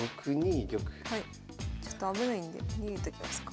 ちょっと危ないんで逃げときますか。